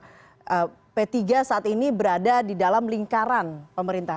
karena p tiga saat ini berada di dalam lingkaran pemerintah